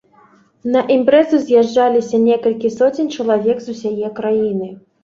На імпрэзу з'язджаліся некалькі соцень чалавек з усяе краіны.